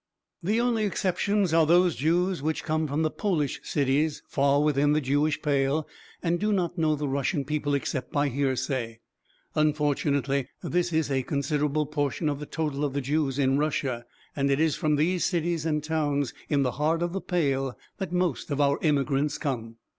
The only exceptions are those Jews which come from the Polish cities far within the Jewish Pale and do not know the Russian people except by hearsay. Unfortunately, this is a considerable portion of the total of the Jews in Russia, and it is from these cities and towns in the heart of the Pale that most of our immigrants come.